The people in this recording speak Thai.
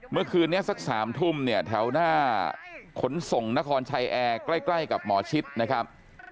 เมื่อคืนนี้สัก๓ทุ่มเนี่ยแถวหน้าขนส่งนครชัยแอร์ใกล้กับหมอชิดนะครับ